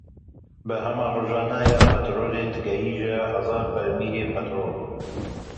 Berhema rojane ya petrolê digihîje hezar bermîl petrol.